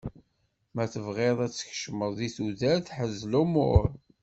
Ma tebɣiḍ ad tkecmeḍ di tudert, ḥrez lumuṛ.